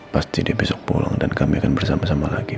pasti dia besok pulang dan kami akan bersama sama lagi